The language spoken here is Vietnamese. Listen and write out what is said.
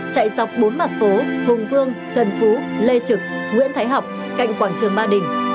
chạy dọc bốn mặt phố hùng vương trần phú lê trực nguyễn thái học cạnh quảng trường ba đình